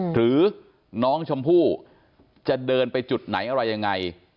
หรือน้องชมพู่จะเดินไปจุดไหนอะไรยังไง